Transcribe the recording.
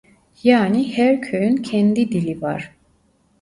Yani her köyün kendi dili var.